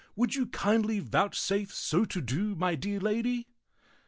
Would you kindly vouchsafe so to do, my dear lady?"